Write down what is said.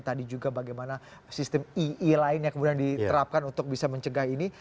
tadi juga bagaimana sistem ie lainnya kemudian diterapkan untuk bisa mencegah ini